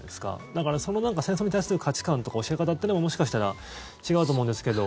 だからその戦争に対する価値観とか教え方というのも、もしかしたら違うと思うんですけど。